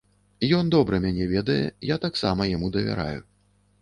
Ён добра мяне ведае, я таксама яму давяраю.